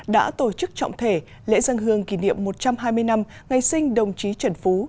đã tổ chức trọng thể lễ dân hương kỷ niệm một trăm hai mươi năm ngày sinh đồng chí trần phú